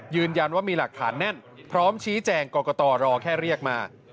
ยืนยันว่ามีหลักฐานแน่นพร้อมชี้แจงกรกตรอแค่เรียกมา